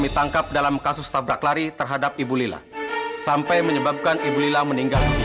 saya tidak melakukan tablak lari terhadap lila atau siapapun